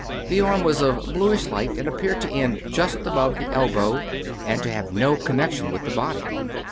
The arm was of bluish light and appeared to end just above the elbow, and to have no connection with the body.